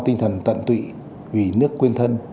tinh thần tận tụy vì nước quên thân